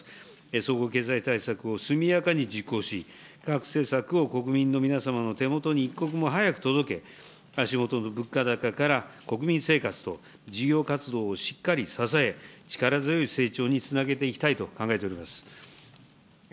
総合経済対策を速やかに実行し、各政策を国民の皆様の手元に一刻も早く届け、国民生活と事業活動をしっかり支え、力強い成長につなげていきたいと考えております。